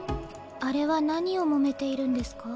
あれは何をもめているんですか？